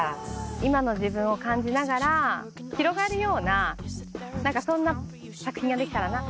今の自分を感じながら広がるような何かそんな作品ができたらな。